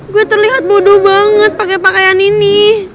gue terlihat bodoh banget pakai pakaian ini